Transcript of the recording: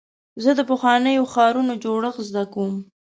زه د پخوانیو ښارونو جوړښت زده کوم.